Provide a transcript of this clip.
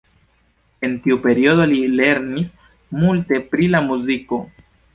En tiu periodo li lernis multe pri la muziko.